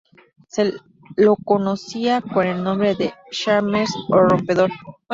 Se lo conocía con el nombre de "Smasher" o "rompedor".